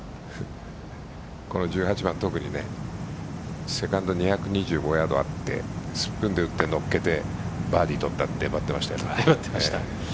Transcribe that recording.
この１８番、特にセカンド、２２５ヤードあってスプーンで打って乗っけてバーディーを取ったと言ってました。